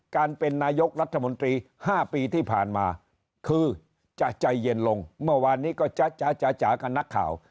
การเป็นนายกรัฐมนตรี๕ปีที่ผ่านมาคือจะใจเย็นลงเมื่อวานนี้ก็จะจากับนักข่าว